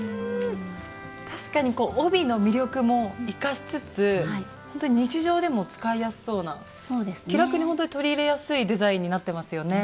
確かに帯の魅力も生かしつつほんとに日常でも使いやすそうな気楽にほんとに取り入れやすいデザインになってますよね。